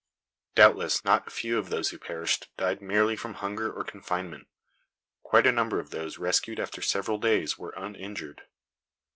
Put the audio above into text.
Doubtless not a few of those who perished died merely from hunger or confinement. Quite a number of those rescued after several days were uninjured.